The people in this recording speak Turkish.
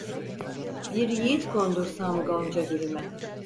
Bir yiğit kondursam gonca gülüme.